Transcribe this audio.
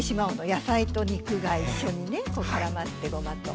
野菜と肉が一緒にねからまってごまと。